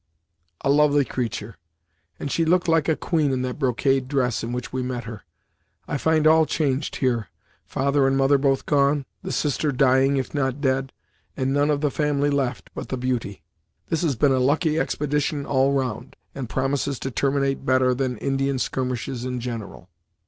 A lovely creature! and she looked like a queen in that brocade dress in which we met her. I find all changed here; father and mother both gone, the sister dying, if not dead, and none of the family left, but the beauty! This has been a lucky expedition all round, and promises to terminate better than Indian skirmishes in general."